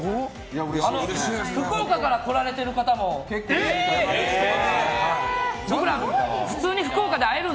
福岡から来られてる方も結構いると。